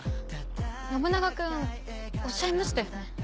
信長君おっしゃいましたよね？